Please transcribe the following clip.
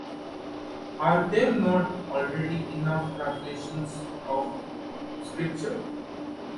Are there not already enough translations of Scripture?